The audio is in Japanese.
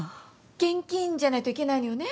現金じゃないといけないのよね？